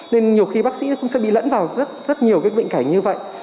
nên nhiều khi bác sĩ cũng sẽ bị lẫn vào rất nhiều bệnh cảnh như vậy